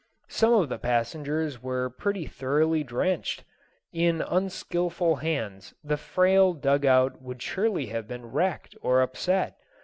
Some of the passengers were pretty thoroughly drenched. In unskillful hands the frail dugout would surely have been wrecked or upset.